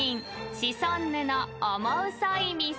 シソンヌのオモウソい店］